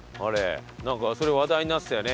なんかそれ話題になってたよね。